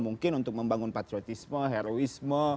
mungkin untuk membangun patriotisme heroisme